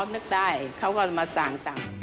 นึกได้เขาก็มาสั่ง